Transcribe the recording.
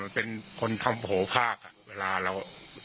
มันเป็นคนทำโหคากเวลาเรา